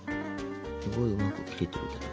すごいうまく切れてるけど。